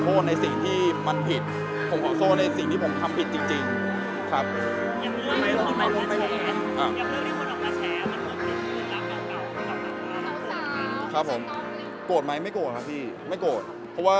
ตอนนี้ก็ยังไม่ได้เลยครับตอนนี้ก็ยังไม่ได้เลยครับตอนนี้ก็ยังไม่ได้เลยครับ